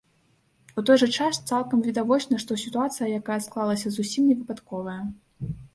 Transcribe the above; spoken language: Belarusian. У той жа час цалкам відавочна, што сітуацыя, якая склалася, зусім не выпадковая.